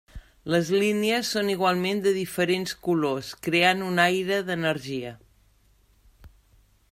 Les línies són igualment de diferents colors, creant un aire d'energia.